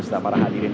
dan para hadirin